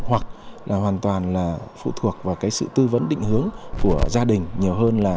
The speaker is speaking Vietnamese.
hoặc hoàn toàn phụ thuộc vào sự tư vấn định hướng của gia đình